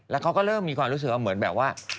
แล้วเขาก็เริ่มมีความรู้สึกว่าเหมือนแบบว่า